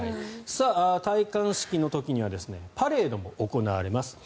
戴冠式の時にはパレードも行われます。